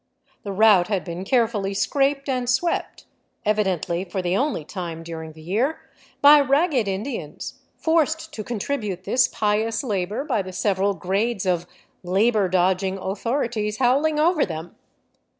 The route had been carefully scraped id swept — evidently for the only time during the year — by ragged idians, forced to contribute this pious labor by the several grades of ibor dodging " authorities '* howling over them.